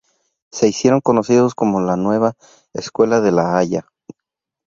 Se hicieron conocidos como la Nueva Escuela de La Haya.